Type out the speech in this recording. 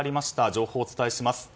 情報をお伝えします。